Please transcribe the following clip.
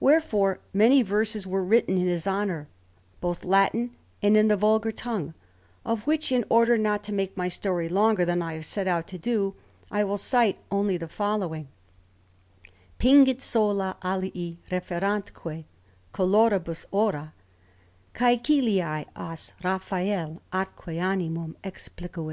Wherefore many verses were written in his honour, both Latin and in the vulgar tongue, of which, in order not to make my story longer than I have set out to do, I will cite only the following: Pingant sola alii referantque coloribus ora; Cæciliæ os Raphael atque animum explicuit.